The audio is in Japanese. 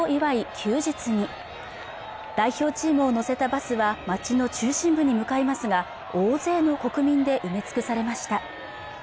休日に代表チームを乗せたバスは町の中心部に向かいますが大勢の国民で埋め尽くされました